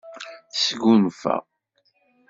Tesgunfa.